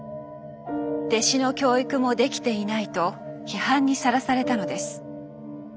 「弟子の教育もできていない」と批判にさらされたのです。